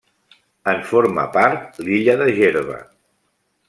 En forma part l'illa de Gerba.